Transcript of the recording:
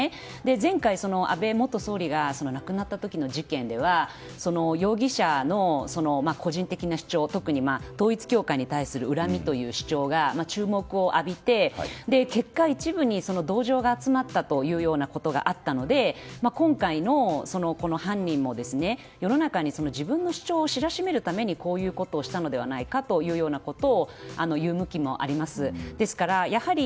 前回、安倍元総理が亡くなった時の事件では容疑者の個人的な主張特に統一教会に対する恨みという主張が、注目を浴びて結果、一部に同情が集まったというようなことがあったので今回のこの犯人も世の中に自分の主張を知らしめるためにこういうようなことをしたのではというようなあれ？